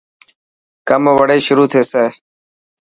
ڪم وڙي شروح ٿيي.